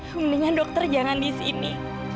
mendingan dokter jangan disini